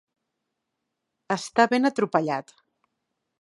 Estar ben atropellat.